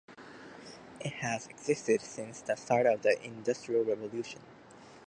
It has existed since the start of the Industrial Revolution.